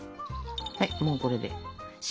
はいもうこれで。